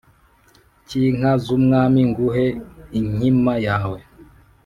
cy’inka z’umwami nguhe inkima yawe